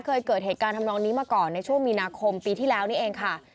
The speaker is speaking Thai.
เคยเกิดเหตุการณ์ทำนองนี้มาก่อนในช่วงมีนาคมปีที่แล้วนี่เองค่ะ